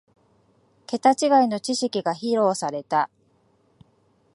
ケタ違いの知識が披露された